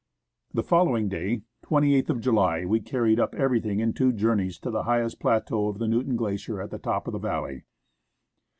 The following day, 28th of July, we carried up everything in two journeys to the highest plateau of the Newton Glacier at the top of the valley.